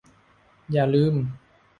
อย่าลืม !